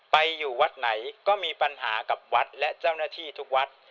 ไปอยู่วัดไหนก็มีปัญหากับวัดและเจ้าหน้าที่ทุกวัด